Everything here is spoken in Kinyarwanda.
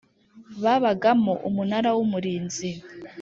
babagamo Umunara w’Umurinzi.